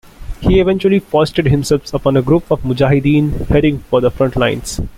He eventually foisted himself upon a group of "mujahideen" heading for the front lines.